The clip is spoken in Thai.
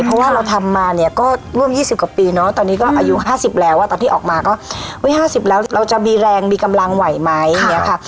เพราะว่าเราทำมาเนี่ยก็ร่วม๒๐กว่าปีเนาะตอนนี้ก็อายุ๕๐แล้วตอนที่ออกมาก็๕๐แล้วเราจะมีแรงมีกำลังไหวไหมอย่างนี้ค่ะ